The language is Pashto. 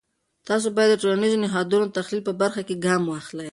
تاسې باید د ټولنیزو نهادونو د تحلیل په برخه کې ګام واخلی.